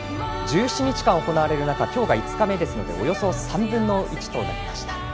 １７日間行われる中今日が５日目ですのでおよそ３分の１となりました。